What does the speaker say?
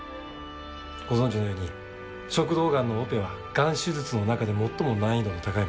ご存じのように食道癌のオペは癌手術の中で最も難易度の高いものです。